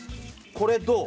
これどう？